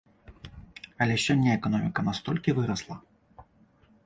Але сёння эканоміка настолькі вырасла!